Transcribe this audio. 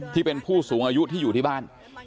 ที่เป็นผู้สูงอายุที่อยู่ที่บ้าน